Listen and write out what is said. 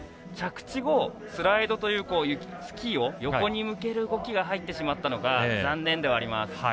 着地後、スライドというスキーを横に向ける動きが入ってしまったのが残念ではあります。